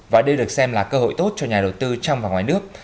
và đây được xem là cơ hội tốt cho nhà đầu tư trong và ngoài nước